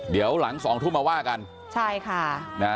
เดี๋ยวหลังสองทุ่มมาว่ากันนะครับ